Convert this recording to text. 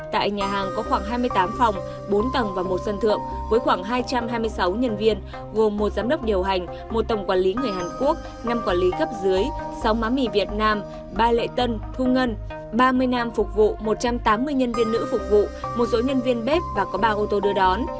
tại nhà hàng có khoảng hai mươi tám phòng bốn tầng và một sân thượng với khoảng hai trăm hai mươi sáu nhân viên gồm một giám đốc điều hành một tổng quản lý người hàn quốc năm quản lý gấp dưới sáu má mì việt nam ba lệ tân thu ngân ba mươi nam phục vụ một trăm tám mươi nhân viên nữ phục vụ một số nhân viên bếp và có ba ô tô đưa đón